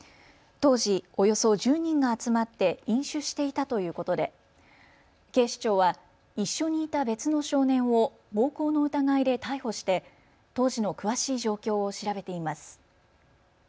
当時、およそ１０人が集まって飲酒していたということで警視庁は一緒にいた別の少年を暴行の疑いで逮捕して当時の詳しい状況を調べています。